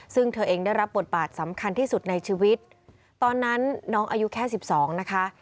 ซึ่งเธอเองได้รับบทบาทสำคัญที่สุดในชีวิตตอนนั้นน้องอายุแค่สิบสองนะคะ